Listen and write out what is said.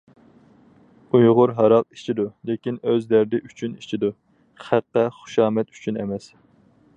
ئۇيغۇر ھاراق ئىچىدۇ، لېكىن ئۆز دەردى ئۈچۈن ئىچىدۇ، خەققە خۇشامەت ئۈچۈن ئەمەس.